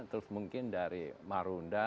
terus mungkin dari marunda